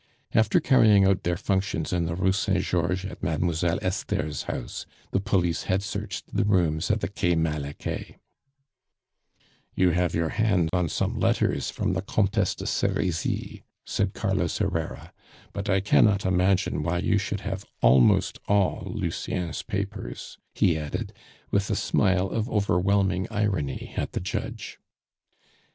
After carrying out their functions in the Rue Saint Georges at Mademoiselle Esther's house, the police had searched the rooms at the Quai Malaquais. "You have your hand on some letters from the Comtesse de Serizy," said Carlos Herrera. "But I cannot imagine why you should have almost all Lucien's papers," he added, with a smile of overwhelming irony at the judge.